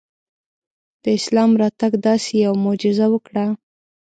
د اسلام راتګ داسې یوه معجزه وکړه.